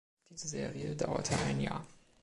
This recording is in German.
Diese Serie dauerte ein Jahr.